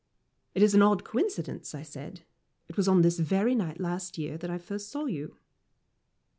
"It is an odd coincidence," I said; "it was on this very night last year that I first saw you."